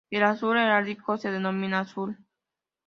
El azul heráldico se denomina azur.